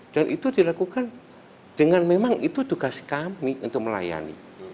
dan itu dilakukan dengan memang itu tugas kami untuk melayani